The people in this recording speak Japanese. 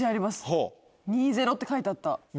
２０って書いてあった。